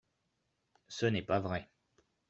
Ce n’est pas vrai